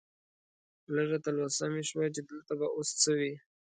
لږه تلوسه مې شوه چې دلته به اوس څه وي.